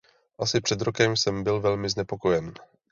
Asi před rokem jsem byl velmi znepokojen.